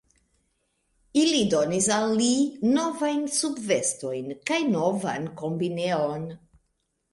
Ili donis al li novajn subvestojn kaj novan kombineon.